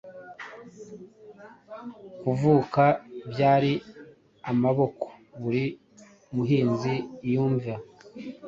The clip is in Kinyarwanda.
kuvuka byari amaboko, Buri Muhinzi Yumva.